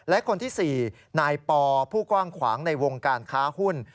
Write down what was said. และคนที่๔นายปอผู้กว้างขวางในวงการค้าหุ้น